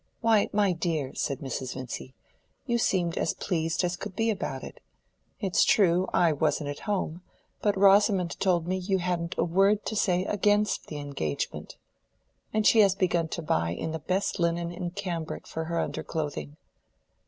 "Why, my dear," said Mrs. Vincy, "you seemed as pleased as could be about it. It's true, I wasn't at home; but Rosamond told me you hadn't a word to say against the engagement. And she has begun to buy in the best linen and cambric for her underclothing."